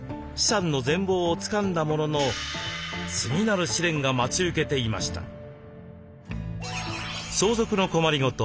資産の全貌をつかんだものの次なる試練が待ち受けていました。